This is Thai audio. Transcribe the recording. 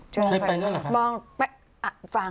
เค้าคิดถึงแฟน